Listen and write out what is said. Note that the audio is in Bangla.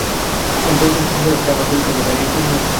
আজ দশ বৎসর সংসারযাত্রায় আমার পরীক্ষা হল, তারই এই পরিণাম?